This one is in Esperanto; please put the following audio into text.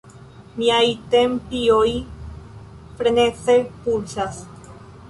Miaj tempioj freneze pulsas.